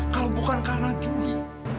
kalau bukan karena curi